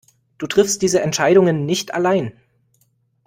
Du triffst diese Entscheidungen nicht allein.